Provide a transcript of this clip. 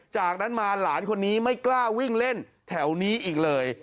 จากนั้นมาหลานคนนี้ไม่กล้าวิ่งเล่นแถวนี้อีกเลย